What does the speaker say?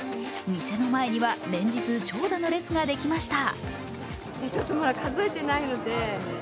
店の前には、連日長蛇の列ができました。